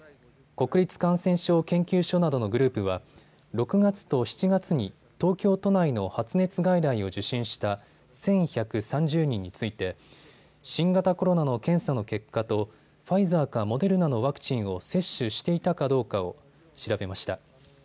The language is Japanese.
国立感染症研究所などのグループは６月と７月に東京都内の発熱外来を受診した１１３０人について新型コロナの検査の結果とファイザーかモデルナのワクチンを接種していたかどうかを調べました。